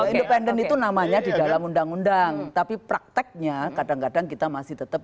independen itu namanya di dalam undang undang tapi prakteknya kadang kadang kita masih tetap